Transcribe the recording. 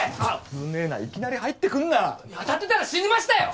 危ねえないきなり入ってくんないやあたってたら死んでましたよ